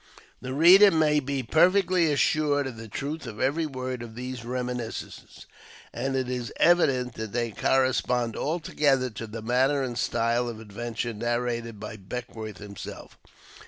The reader may be perfectly assured of the truth of every word of these reminiscences, and it is evident that they correspond altogether to the manner and style of adventure narrated by Beckwourth himself.